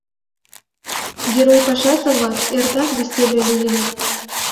Герой-пашазе-влак эртак вестӱрлӧ лийыныт.